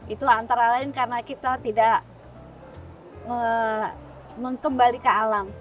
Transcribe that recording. itu antara lain karena kita tidak mengembali ke alam